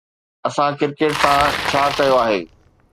اسان ڪرڪيٽ سان ڇا ڪيو آهي؟